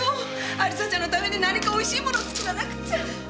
亜里沙ちゃんのために何か美味しいものを作らなくっちゃ。